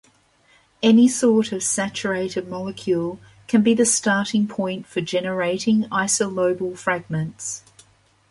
Any sort of saturated molecule can be the starting point for generating isolobal fragments.